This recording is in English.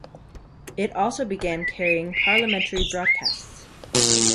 It also began carrying parliamentary broadcasts.